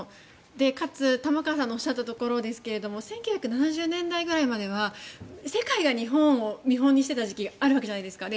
かつ、玉川さんのおっしゃったところですが１９７０年代ぐらいまでは世界が日本を見本にしていた時代があるわけじゃないですか。